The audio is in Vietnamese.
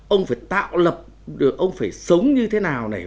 ông phải tạo lập ông phải sống như thế nào này